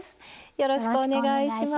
よろしくお願いします。